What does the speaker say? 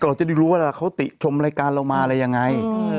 เราจะได้รู้ว่าเขาติชมรายการเรามาอะไรยังไง